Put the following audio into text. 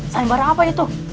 saling barah apa itu